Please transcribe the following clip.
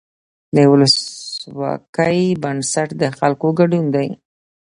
د ولسواکۍ بنسټ د خلکو ګډون دی